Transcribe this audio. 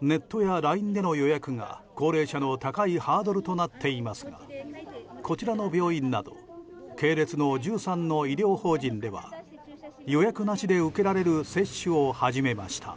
ネットやＬＩＮＥでの予約が高齢者の高いハードルとなっていますがこちらの病院など系列の１３の医療法人では予約なしで受けられる接種を始めました。